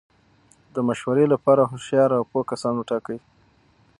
د مشورې له پاره هوښیار او پوه کسان وټاکئ!